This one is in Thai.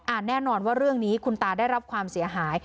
แน่นอนว่าเรื่องนี้คุณตาได้รับความเสียหาย